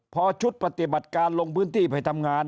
พอชุดปฏิบัติการลงพื้นที่ไปทำงาน